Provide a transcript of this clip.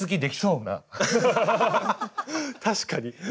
確かに。